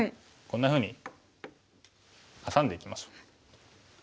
こんなふうにハサんでいきましょう。